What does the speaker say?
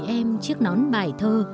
em chiếc nón bài thơ